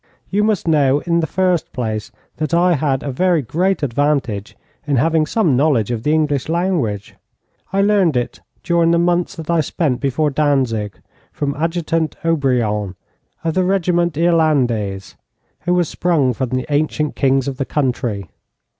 You must know, in the first place, that I had a very great advantage in having some knowledge of the English language. I learned it during the months that I spent before Danzig, from Adjutant Obriant, of the Regiment Irlandais, who was sprung from the ancient kings of the country.